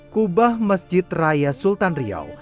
kubah masjid raya sultan riau